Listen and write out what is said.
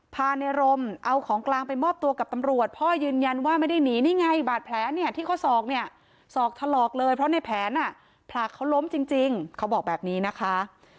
พาในรมเอาของกลางไปมอบตัวกับตำรวจพ่อยืนยันว่าไม่ได้หนีนี่ไงบาดแผลเนี่ยที่ข้อศอกเนี่ยศอกถลอกเลยเพราะในแผนผลักเขาล้มจริงเขาบอกแบบนี้นะคะ